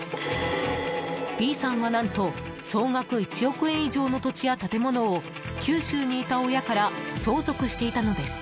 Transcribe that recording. Ｂさんは、何と総額１億円以上の土地や建物を九州にいた親から相続していたのです。